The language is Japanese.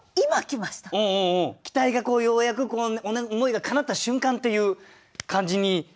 期待がようやく思いがかなった瞬間っていう感じにとれますね。